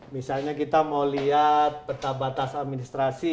misalnya kita mau lihat peta batas administrasi